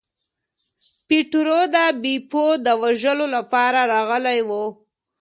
پیټرو د بیپو د وژلو لپاره راغلی و.